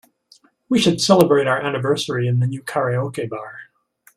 We should celebrate our anniversary in the new karaoke bar.